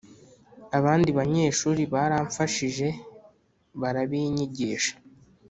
Abandi banyeshuri baramfashije barabinyigisha